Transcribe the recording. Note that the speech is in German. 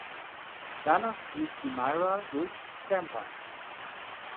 Danach fließt die Maira durch Stampa.